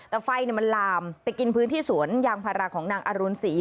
แต่ไฟมันลามไปกินพื้นที่สวนยางพาราของนางอรุณศรี